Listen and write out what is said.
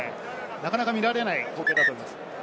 なかなか見られない光景だと思います。